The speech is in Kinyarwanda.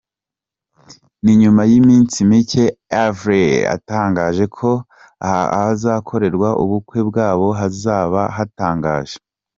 Ni nyuma y’iminsi mike Avril atangaje ko ahazakorerwa ubukwe bwabo hazaba hatangaje.